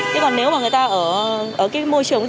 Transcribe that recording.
còn nếu mà người ta ở cái môi trường